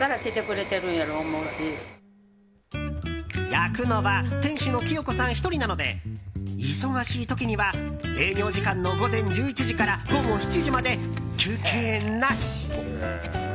焼くのは店主の喜代子さん１人なので忙しい時には営業時間の午前１１時から午後７時まで休憩なし。